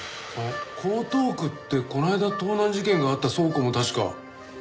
江東区ってこの間盗難事件があった倉庫も確か。